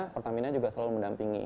pertamina juga selalu mendampingi